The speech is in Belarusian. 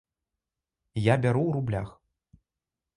Я бяру ў рублях.